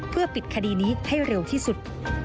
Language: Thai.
เพื่อปิดคดีนี้ให้เร็วที่สุด